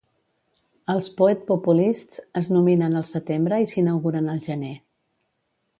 Els "Poet Populists" es nominen al setembre i s'inauguren al gener.